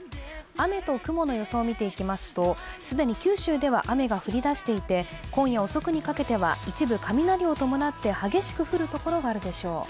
雨と雲の予想を見ていきますと、既に九州では雨が降り出していて今夜遅くにかけては一部雷を伴って激しく降る所があるでしょう。